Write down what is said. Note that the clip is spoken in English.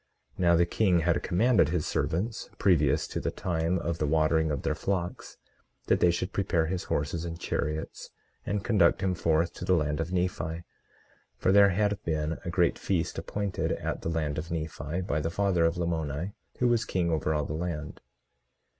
Now the king had commanded his servants, previous to the time of the watering of their flocks, that they should prepare his horses and chariots, and conduct him forth to the land of Nephi; for there had been a great feast appointed at the land of Nephi, by the father of Lamoni, who was king over all the land.